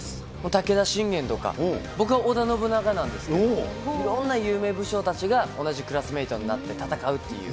武田信玄とか、僕は織田信長なんですけど、いろんな有名武将たちが同じクラスメートになって戦うという。